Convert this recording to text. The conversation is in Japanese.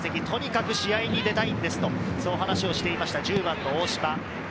とにかく試合に出たいんです、そう話をしていました１０番の大島。